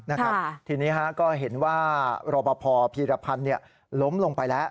นะครับทีนี้ฮะก็เห็นว่ารอปภพีรพันธ์ล้มลงไปแล้ว